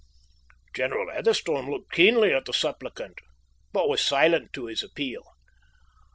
General Heatherstone looked keenly at the supplicant, but was silent to his appeal.